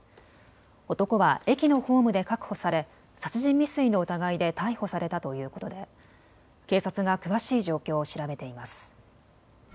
男は駅のホームで確保され殺人未遂の疑いで逮捕されたということで警察が詳しい状況を調べています。